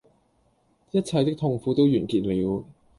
一切的痛苦都完結了